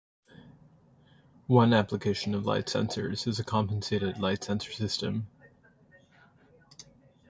One application of light sensors is the compensated light sensor system.